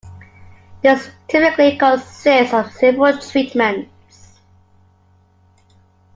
This typically consists of several treatments.